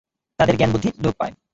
তাদের জ্ঞান-বুদ্ধি লোপ পায়।